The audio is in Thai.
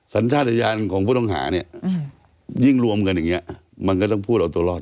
สัญชาติยานของผู้ต้องหาเนี่ยยิ่งรวมกันอย่างนี้มันก็ต้องพูดเอาตัวรอด